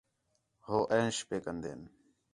ہو عیش پئے کندین